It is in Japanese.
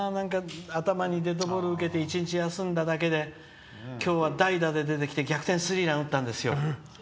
頭にデッドボールを受けて１日、休んだだけで今日は代打で出てきて逆転スリーラン打ったんですよ。